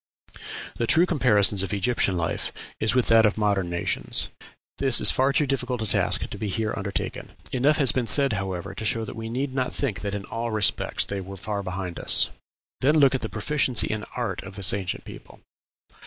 "The true comparison of Egyptian life is with that of modern nations. This is far too difficult a task to be here undertaken. Enough has been said, however, to show that we need not think that in all respects they were far behind us." Then look at the proficiency in art of this ancient people.